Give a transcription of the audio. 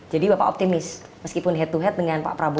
jadi bapak optimis meskipun head to head dengan pak prabowo